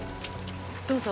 どうぞ。